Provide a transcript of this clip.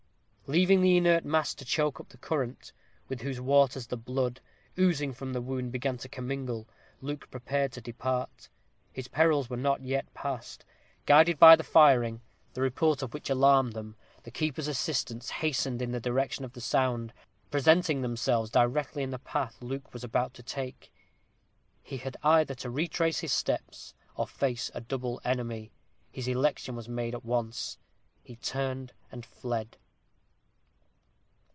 Leaving the inert mass to choke up the current, with whose waters the blood, oozing from the wound, began to commingle, Luke prepared to depart. His perils were not yet past. Guided by the firing, the report of which alarmed them, the keeper's assistants hastened in the direction of the sound, presenting themselves directly in the path Luke was about to take. He had either to retrace his steps, or face a double enemy. His election was made at once. He turned and fled.